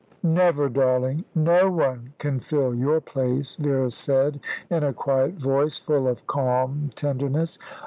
"Never, darling. No one can fill your place," Vera said, in a quiet voice, full of calm tenderness.